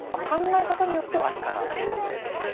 考え方によってはありかなと思います。